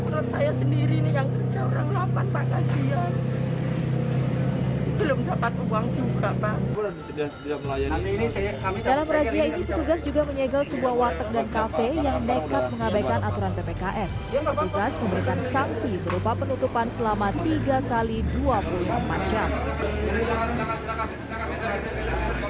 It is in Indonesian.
petugas memberikan sanksi berupa penutupan selama tiga x dua puluh empat jam